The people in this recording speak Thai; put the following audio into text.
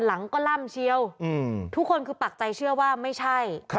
หลังก็ล่ำเชียวทุกคนคือปักใจเชื่อว่าไม่ใช่